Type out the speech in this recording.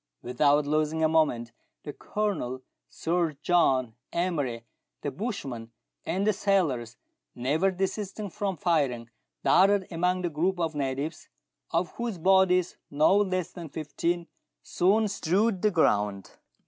Without losing a moment, the Colonel, Sir John, Emery, the bushman, and the sailors, never desisting from firing, darted among the group of natives, of whose bodies no less than fifteen soon strewed the ground.